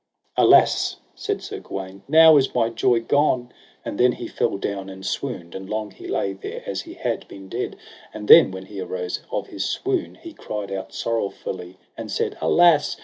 Alas, said Sir Gawaine, now is my joy gone. And then he fell down and swooned, and long he lay there as he had been dead. And then, when he arose of his swoon, he cried out sorrowfully, and said: Alas!